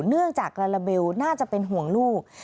เนื่องจากลาลาเบลน่าจะเป็นห่วงลูก